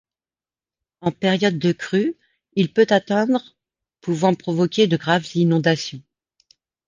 En période de crue, il peut atteindre pouvant provoquer de graves inondations.